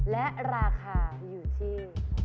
และราคาอยู่ที่